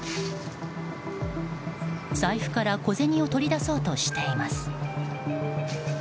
財布から小銭を取り出そうとしています。